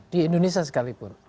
di indonesia sekalipun